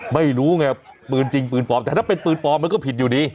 ไม่รู้ไงปืนจริงปืนปลอมแต่ถ้าเป็นปืนปลอมมันก็ผิดอยู่ดี